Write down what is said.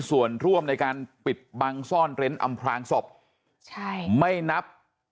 ส่วนร่วมในการปิดบังซ่อนเร้นอำพลางศพใช่ไม่นับ